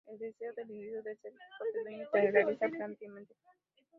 Es el deseo del individuo de ser su propio dueño, y de realizarse plenamente.